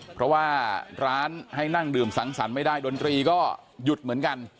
เพราะว่าร้านให้นั่งดื่มสังสรรค์ไม่ได้ดนตรีก็หยุดเหมือนกัน